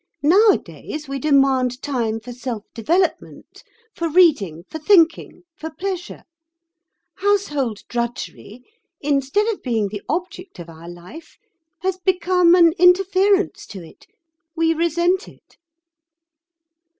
Nowadays we demand time for self development, for reading, for thinking, for pleasure. Household drudgery, instead of being the object of our life, has become an interference to it. We resent it."